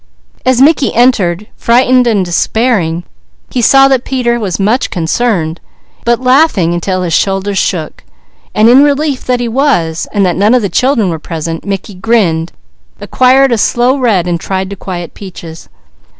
As Mickey entered, frightened and despairing, he saw that Peter was much concerned, but laughing until his shoulders shook, and in relief that he was, and that none of the children were present, Mickey grinned, acquired a slow red, and tried to quiet Peaches.